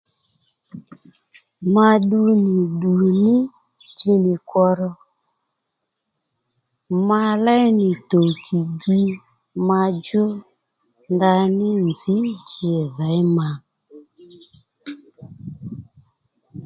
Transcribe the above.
Ma ddu nì ddù ní ji nì kwó ro ma léy nì tokì gi madjú ndaní nzǐ ji dhěy ma